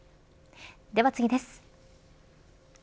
では次です。